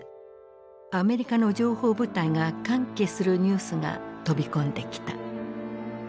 アメリカの情報部隊が歓喜するニュースが飛び込んできた。